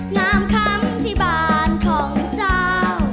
น้ำคำที่บ้านของเจ้า